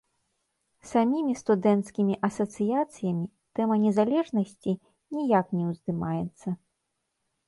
Самімі студэнцкімі асацыяцыямі тэма незалежнасці ніяк не ўздымаецца.